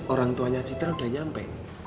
orang tuanya citra udah nyampe